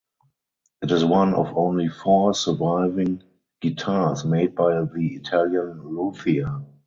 It is one of only four surviving guitars made by the Italian luthier.